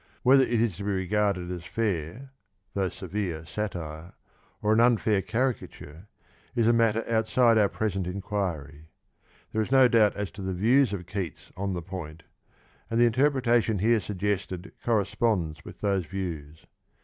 Whether it is to be regarded as a fair, though severe satire, or an unfair caricature, is a matter outside our present enquiry. There is no doubt as to the views of Keats on the point, and the interpretation here suggested corresponds with those views.